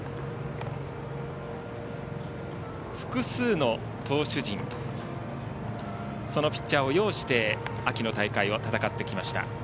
複数の投手陣そのピッチャーを擁して秋の大会を戦ってきました。